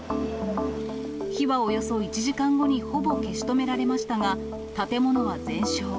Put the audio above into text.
火はおよそ１時間後にほぼ消し止められましたが、建物は全焼。